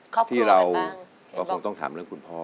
แล้วที่เราต้องต้องถามเรื่องคุณพ่อ